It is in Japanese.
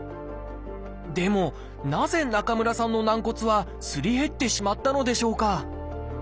でもなぜ中村さんの軟骨はすり減ってしまったのでしょうか？